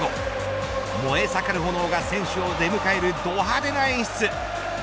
燃え盛る炎が選手を出迎えるど派手な演出。